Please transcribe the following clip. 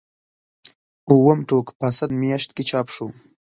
اووم ټوک په اسد میاشت کې چاپ شو.